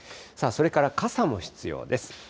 それから傘も必要です。